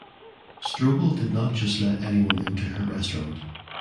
Strobel did not let just anyone into her restaurant.